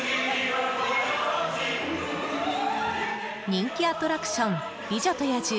人気アトラクション美女と野獣